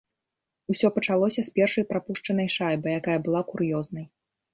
Усё пачалося з першай прапушчанай шайбы, якая была кур'ёзнай.